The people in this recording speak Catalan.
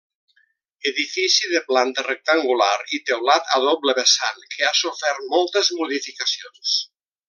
Edifici de planta rectangular i teulat a doble vessant que ha sofert moltes modificacions.